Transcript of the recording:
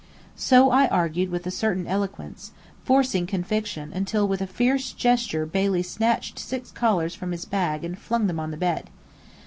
So I argued with a certain eloquence, forcing conviction until with a fierce gesture Bailey snatched six collars from his bag and flung them on the bed.